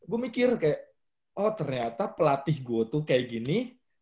gue mikir kayak oh ternyata pelatih gue tuh kayak gini